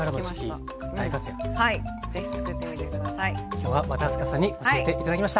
今日は和田明日香さんに教えて頂きました。